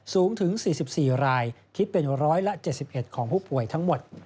สูงถึง๔๔รายคิดเป็นร้อยละ๗๑ของผู้ป่วยทั้งหมด